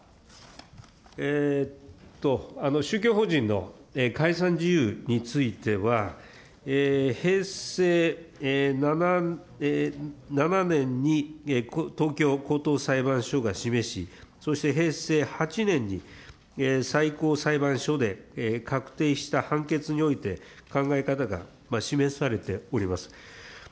宗教法人の解散事由については、平成７年に東京高等裁判所が示し、そして平成８年に最高裁判所で確定した判決において、考え方が示されております。